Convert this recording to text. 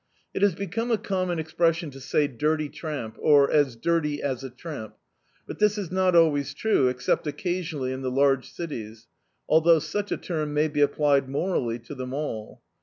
It has beoHne a common expression to say "dirty tramp," or, "as dirty as a tramp"; but this is not always true, except occasionally in die laige cities; although such a tenn may be applied morally to them all.